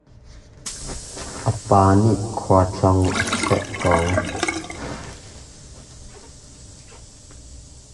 A pa nih khual tlawn a senh ko.